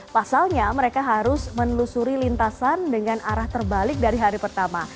pasalnya mereka harus menelusuri lintasan dengan arah terbalik dari hari pertama